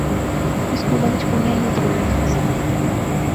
اس سکولے وچ کُڑیاں ایہہ تھوڑیاں جئیاں سیاں